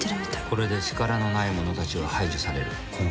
これで力のない者たちは排除される。